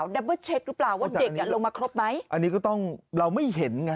ว่าเด็กกันลงมาครบมั้ยอันนี้ก็ต้องเราไม่เห็นงะ